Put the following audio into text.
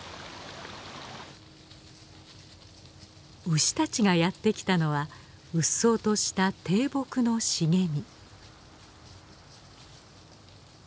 牛たちがやってきたのはうっそうとした低木の茂み。